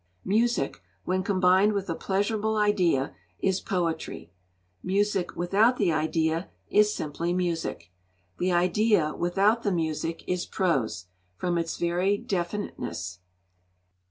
Music, when combined with a pleasurable idea, is poetry; music, without the idea, is simply music; the idea, without the music, is prose, from its very definiteness.'